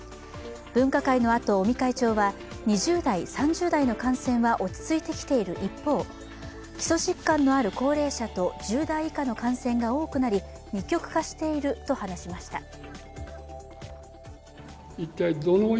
分科会のあと、尾身会長は２０代、３０代の感染は落ち着いてきている一方、基礎疾患のある高齢者と１０代以下の感染が多くなり二極化していると話しました。